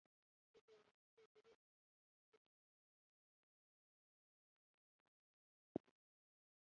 د کورنۍ جګړې په زمانه کې له شاعر اسحق ننګیال سره روان وم.